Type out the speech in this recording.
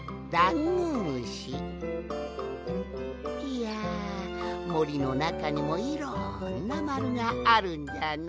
いやもりのなかにもいろんなまるがあるんじゃの。